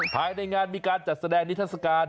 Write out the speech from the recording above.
ภายในงานมีการจัดแสดงนิทัศกาล